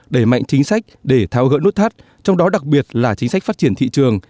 đẩy mạnh chính sách để thao gỡ nút thắt trong đó đặc biệt là chính sách phát triển thị trường